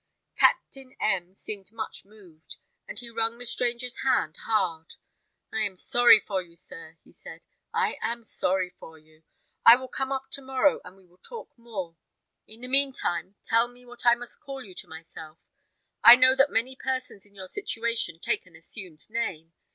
Captain M seemed much moved, and he wrung the stranger's hand hard. "I am sorry for you, sir," he said; "I am sorry for you. I will come up to morrow, and we will talk more. In the mean time, tell me what I must call you to myself; I know that many persons in your situation take an assumed name.